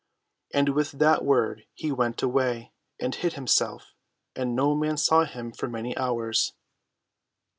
And with that word he went away and hid himself, and no man saw him for many hours.